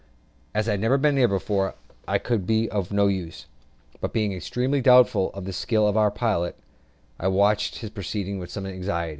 As I had never been there before, I could be of no use; but being extremely doubtful of the skill of our pilot, I watched his proceedings with some anxiety.